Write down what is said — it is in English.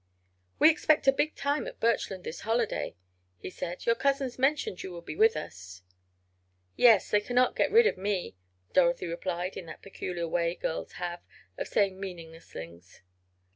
"We expect a big time at Birchland this holiday," he said. "Your cousins mentioned you would be with us." "Yes, they cannot get rid of me," Dorothy replied, in that peculiar way girls have of saying meaningless things.